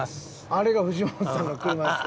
あれがフジモンさんの車ですか？